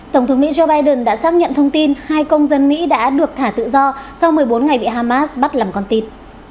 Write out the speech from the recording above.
tổng thống mỹ joe biden đã xác nhận thông tin hai công dân mỹ đã được thả tự do sau một mươi bốn ngày bị hamas bắt làm con tịt